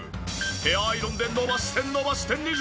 ヘアアイロンで伸ばして伸ばして２時間。